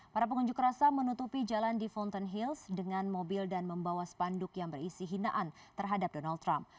para pengunjuk rasa menutupi jalan di fountain hills dengan mobil dan membawa spanduk yang berisi hinaan terhadap donald trump